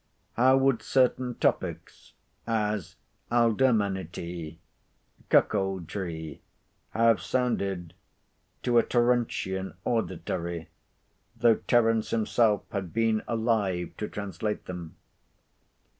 How would certain topics, as aldermanity, cuckoldry, have sounded to a Terentian auditory, though Terence himself had been alive to translate them?